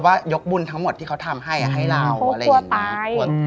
ว่ายกบุญทั้งหมดที่เขาทำให้ให้เราอะไรอย่างนี้